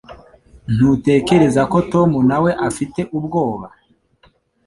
Ntutekereza ko Tom nawe afite ubwoba